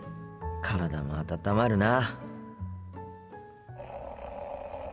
体も温まるな。